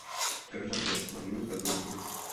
Každá z ras má jinou startovní pozici.